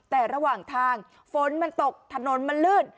แต่ระหว่างทางฝนมันตกถนนมันลื่น